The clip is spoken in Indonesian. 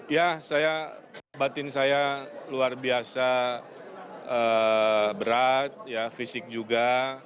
ya saya batin saya luar biasa berat fisik juga